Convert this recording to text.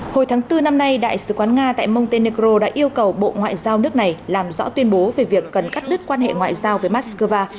hồi tháng bốn năm nay đại sứ quán nga tại montenecaro đã yêu cầu bộ ngoại giao nước này làm rõ tuyên bố về việc cần cắt đứt quan hệ ngoại giao với moscow